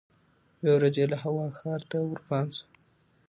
یوه ورځ یې له هوا ښار ته ورپام سو